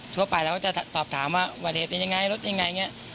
ทั่วไปเราก็จะตอบถามว่าประเทศเป็นยังไงรถเป็นยังไง